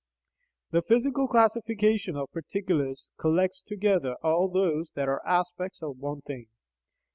The physical classification of particulars collects together all those that are aspects of one "thing."